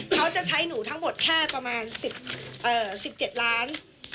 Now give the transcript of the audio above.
เขาจะใช้หนูทั้งหมดแค่ประมาณ๑๗ล้าน